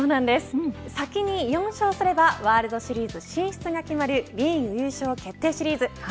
先に４勝すればワールドシリーズ進出が決まるリーグ優勝決定シリーズ。